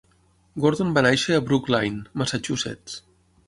Gordon va néixer a Brookline, Massachusetts.